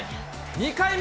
２回目。